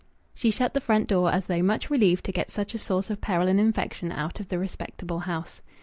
She shut the front door as though much relieved to get such a source of peril and infection out of the respectable house.